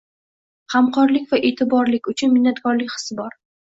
G‘amxo‘rlik va e’tibor uchun minnatdorlik hissi bor.